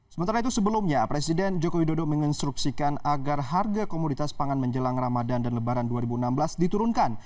sementara itu sebelumnya presiden joko widodo menginstruksikan agar harga komoditas pangan menjelang ramadan dan lebaran dua ribu enam belas diturunkan